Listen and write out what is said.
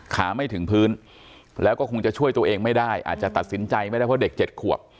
ไม่ถึงพื้นแล้วก็คงจะช่วยตัวเองไม่ได้อาจจะตัดสินใจไม่ได้เพราะเด็ก๗ขวบ